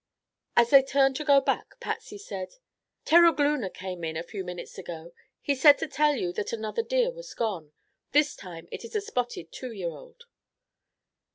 As they turned to go back Patsy said: "Terogloona came in a few minutes ago. He said to tell you that another deer was gone. This time it is a spotted two year old."